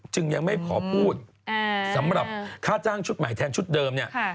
ยังไม่ขอพูดสำหรับค่าจ้างชุดใหม่แทนชุดเดิมเนี่ย